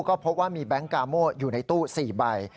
ก็พบว่ามีแบงค์กาโม่อยู่ในตู้๔ใบ